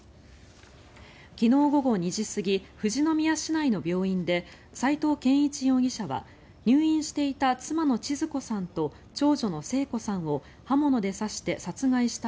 昨日午後２時過ぎ富士宮市内の病院で齊藤謙一容疑者は入院していた妻のちづ子さんと長女の聖子さんを刃物で刺して殺害した